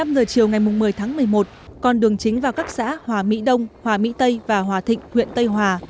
một mươi giờ chiều ngày một mươi tháng một mươi một con đường chính vào các xã hòa mỹ đông hòa mỹ tây và hòa thịnh huyện tây hòa